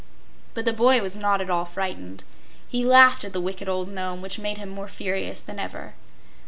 But the boy was not at all frightened. He laughed at the wicked old Nome, which made him more furious than ever.